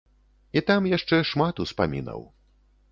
І там яшчэ шмат успамінаў.